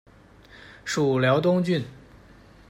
属辽东郡。